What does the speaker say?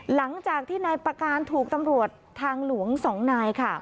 หลังจากที่นายประการถูกตำรวจทางหลวง๒นายค่ะ